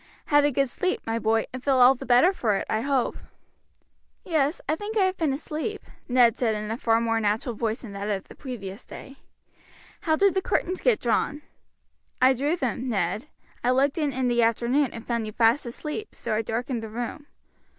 "Had a good sleep, my boy, and feel all the better for it, I hope." "Yes, I think I have been asleep," Ned said in a far more natural voice than that of the previous day. "How did the curtains get drawn?" "I drew them, Ned. I looked in in the afternoon, and found you fast asleep, so I darkened the room."